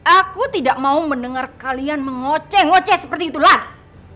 aku tidak mau mendengar kalian mengoceh ngoceh seperti itulah